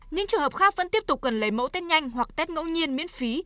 nhưng trường hợp khác vẫn tiếp tục cần lấy mẫu test nhanh hoặc test ngẫu nhiên miễn phí